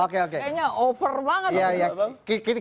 kayaknya over banget